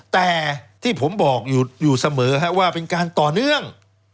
แต่ที่ผมบอกอยู่เสมอว่าเป็นการต่อเนื่อง